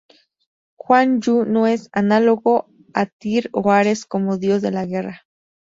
Guan Yu no es análogo a Tyr o Ares como dios de la guerra.